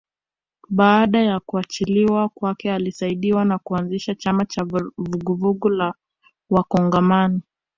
Baada ya kuachiliwa kwake alisaidiwa na kuanzisha chama cha Vuguvugu la Wakongomani